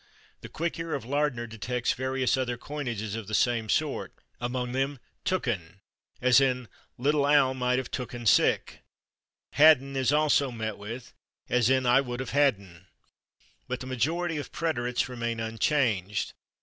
The quick ear of Lardner detects various other coinages of the same sort, among them /tooken/, as in "little Al might of /tooken/ sick." /Hadden/ is also met with, as in "I would of /hadden/." But the majority of preterites remain unchanged.